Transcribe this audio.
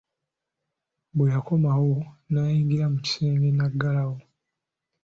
Bwe yakomawo, n'ayingira mu kisenge n'agalawo.